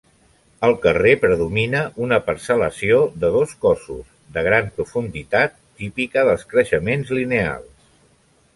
Al carrer predomina una parcel·lació de dos cossos, de gran profunditat, típica dels creixements lineals.